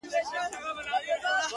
اوس ژاړي، اوس کتاب ژاړي، غزل ژاړي